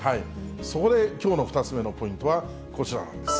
そこできょうの２つ目のポイントは、こちらなんです。